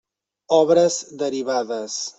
Obres derivades.